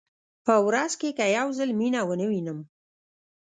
په ورځ کې که یو ځل مینه ونه وینم.